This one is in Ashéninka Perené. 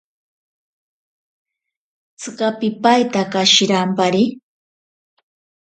Tsika pipaitaka shirampari.